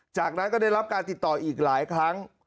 จากนั้นก็ได้รับการติดต่ออีกหลายครั้ง